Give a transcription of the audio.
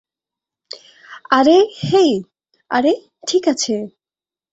আরে, হেই, আরে, ঠিক আছে।